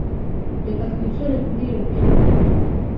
Reka twicare kuri iyo ntebe.